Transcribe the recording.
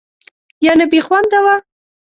یعنې بېخونده وه.